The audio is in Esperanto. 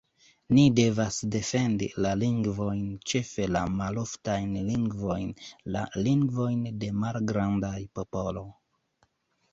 Ni devas defendi la lingvojn, ĉefe la maloftajn lingvojn, la lingvojn de malgrandaj popolo.